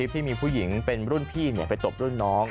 ที่มีผู้หญิงรุ่นผู้ดีที่ไปตบรุ่นน้อง